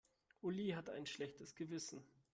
Uli hat ein schlechtes Gewissen.